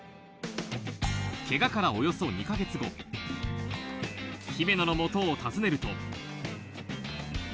ケガからおよそ２か月後、姫野の元を訪ねると。